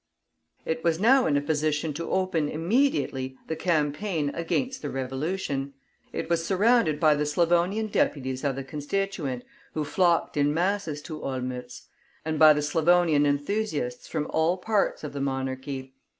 It was now in a position to open immediately the campaign against the Revolution. It was surrounded by the Slavonian deputies of the Constituent, who flocked in masses to Olmütz, and by the Slavonian enthusiasts from all parts of the monarchy.